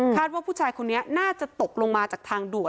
ว่าผู้ชายคนนี้น่าจะตกลงมาจากทางด่วน